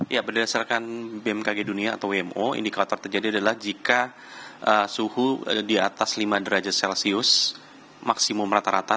ya berdasarkan bmkg dunia atau wmo indikator terjadi adalah jika suhu di atas lima derajat celcius maksimum rata rata